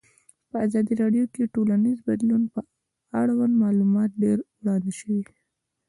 په ازادي راډیو کې د ټولنیز بدلون اړوند معلومات ډېر وړاندې شوي.